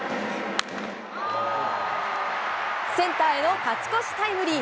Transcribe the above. センターへの勝ち越しタイムリー。